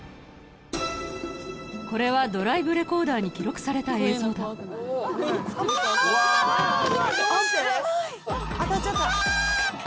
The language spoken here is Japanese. これはドライブレコーダーに記録された映像だ・あぁあぁ！・・あぁあぁ！